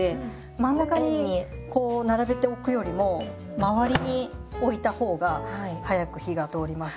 真ん中にこう並べておくよりも周りに置いた方が早く火が通ります。